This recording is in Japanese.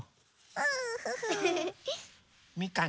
うん。